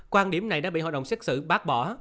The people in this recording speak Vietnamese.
quan điểm này đã bị hội đồng xét xử bác bỏ